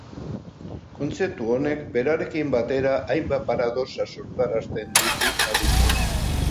Kontzeptu honek berarekin batera hainbat paradoxa sortarazten ditu, adibidez.